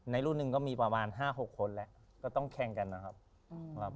รุ่นหนึ่งก็มีประมาณ๕๖คนแล้วก็ต้องแข่งกันนะครับ